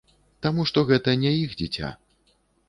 Таму што гэта не іх дзіця.